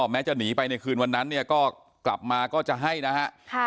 แม้จะหนีไปในคืนวันนั้นเนี่ยก็กลับมาก็จะให้นะฮะ